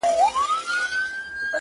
• که سړه شپه اوږده سي -